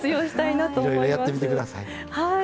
いろいろやってみて下さい。